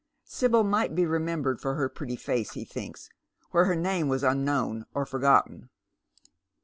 Sibyl might be remembered for her pretty face, he thinks, where her name was imknown or forgotten.